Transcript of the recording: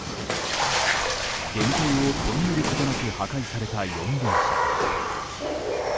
原形をとどめることなく破壊された四輪車。